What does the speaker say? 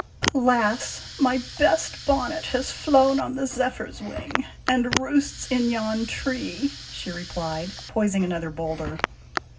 " Alas ! my best bonnet has flown on the zephyr's wing, and roosts in yon tree," she replied, poising another boulder.